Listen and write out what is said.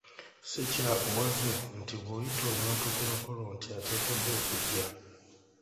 Si kya buwaze nti bw'oyita omuntu ku mukolo nti ateekeddwa okujja.